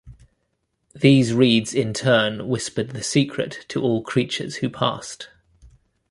These reeds in turn whispered the secret to all creatures who passed.